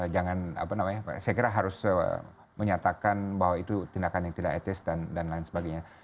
jangan apa namanya saya kira harus menyatakan bahwa itu tindakan yang tidak etis dan lain sebagainya